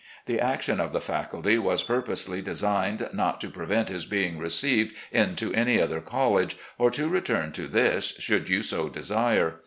The action of the faculty was purposely designed, not to prevent his being received into any other college, or to return to this, should you so desire.